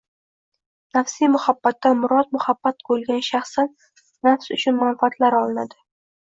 Nafsiy muhabbatdan murod muhabbat qo‘yilgan shaxsdan nafs uchun manfaatlar olinadi